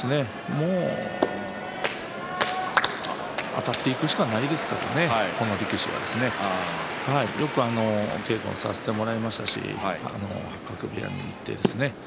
もうあたっていくしかないですからね、この力士はね。よく稽古もさせてもらいましたし八角部屋に行ってですね